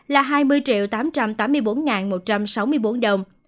là hai mươi tám trăm tám mươi bốn một trăm sáu mươi bốn đồng